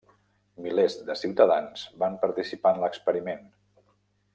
Milers de ciutadans van participar en l'experiment.